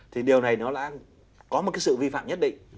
thì điều này nó đã có một cái sự vi phạm nhất định